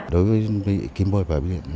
đối với đơn vị kim bôi bảo hiểm xã hội tự nguyện